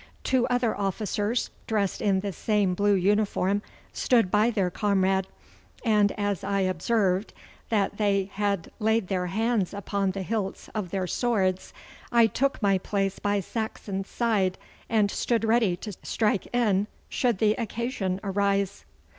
Two other officers dressed in the same blue uniform stood by their comrade, and as I observed that they had laid their hands upon the hilts of their swords, I took my place by Saxon's side, and stood ready to strike in should the occasion arise.